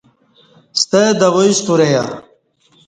ستہ دوای سترہ یہ